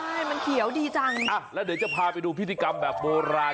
ใช่มันเฉียวดีจังอ้ะและเดี๋ยวจะพาไปดูพิธีกรรมแบบโบราณที่ชาวบ้าน